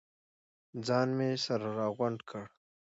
ځان مې سره راغونډ کړ.